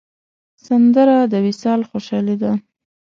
سندره د وصال خوشحالي ده